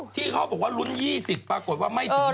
ที่เขาบอกว่าลุ้น๒๐ปรากฏว่าไม่ถึง๒๐